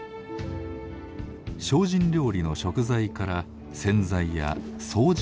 精進料理の食材から洗剤や掃除道具まで。